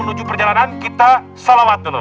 ayo semuanya turun turun turun